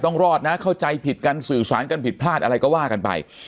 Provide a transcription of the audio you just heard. ต้องรอดนะเข้าใจผิดกันสื่อสารกันผิดพลาดอะไรก็ว่ากันไป